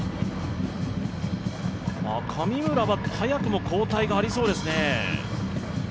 神村は早くも交代がありそうですね。